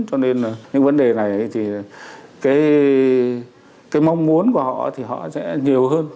cho nên những vấn đề này thì cái mong muốn của họ thì họ sẽ nhiều hơn